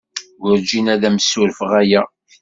Werǧin ad am-ssurfeɣ aya.